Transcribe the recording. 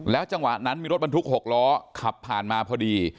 จังหวะนั้นมีรถบรรทุก๖ล้อขับผ่านมาพอดี